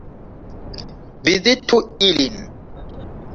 Vizitu ilin!